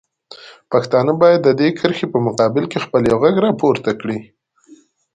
پښتانه باید د دې کرښې په مقابل کې خپل یو غږ راپورته کړي.